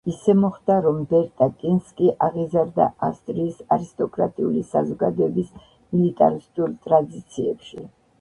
ისე მოხდა, რომ ბერტა კინსკი აღიზარდა ავსტრიის არისტოკრატიული საზოგადოების მილიტარისტულ ტრადიციებში.